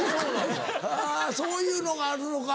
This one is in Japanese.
あぁそういうのがあるのか。